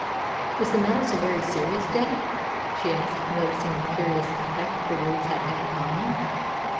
"Is the matter so very serious, dad?" she asked, noticing the curious effect the words had had upon him.